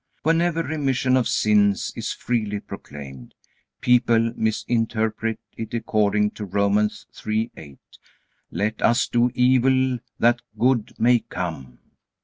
Whenever remission of sins is freely proclaimed, people misinterpret it according to Romans 3:8, "Let us do evil, that good may come."